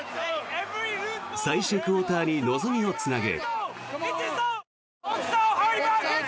最終クオーターに望みをつなぐ。